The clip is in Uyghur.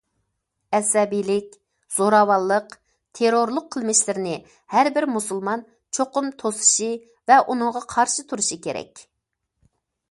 ئەسەبىيلىك، زوراۋانلىق، تېررورلۇق قىلمىشلىرىنى ھەر بىر مۇسۇلمان چوقۇم توسۇشى ۋە ئۇنىڭغا قارشى تۇرۇشى كېرەك.